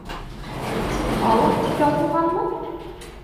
Взятка алам, тип яҙылғанмы?